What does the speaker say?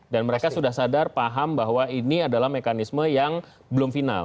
dan mereka sudah sadar paham bahwa ini adalah mekanisme yang belum final